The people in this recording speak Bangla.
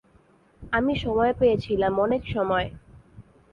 আমি সময় পেয়েছিলাম, অনেক সময়।